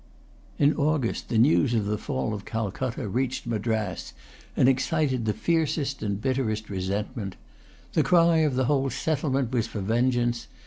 In August the news of the fall of Calcutta reached Madras, and excited the fiercest and bitterest resentment. The cry of the whole settlement was for vengeance.